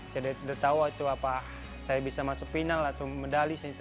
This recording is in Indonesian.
saya tidak tahu apakah saya bisa masuk final atau medalis